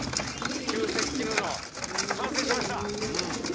旧石器布完成しました！